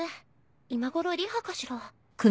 今ごろリハかしら。